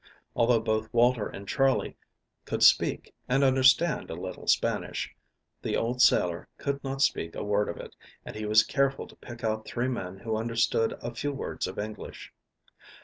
Although both Walter and Charley could speak and understand a little Spanish, the old sailor could not speak a word of it, and he was careful to pick out three men who understood a few words of English.